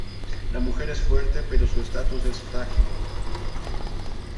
La mujer es fuerte pero su estatus es frágil.